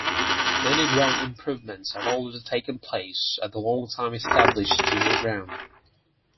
Many ground improvements have already taken place at the long time established Junior ground.